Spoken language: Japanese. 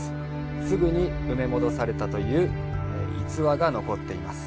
すぐに埋め戻されたという逸話が残っています。